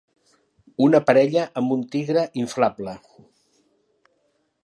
Una parella amb un tigre inflable.